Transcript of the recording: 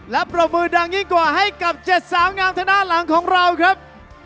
และปรบมือดังยิ่งกว่าให้กับ๗สาวงามทางด้านหลังของเราครับ